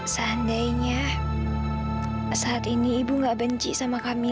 seandainya saat ini ibu nggak benci sama kamu